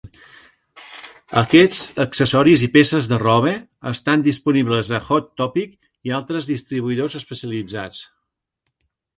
Aquests accessoris i peces de roba estan disponibles a Hot Topic i altres distribuïdors especialitzats.